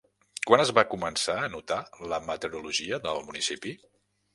Quan es va començar a anotar la meteorologia del municipi?